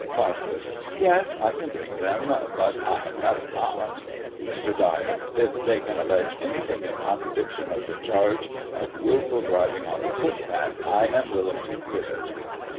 Marquis : Yes, I can bring them, but I had rather not Mr. Dyer : If they can allege anything in contradiction of the charge of wilful driving on the footpath, I am willing to hear it.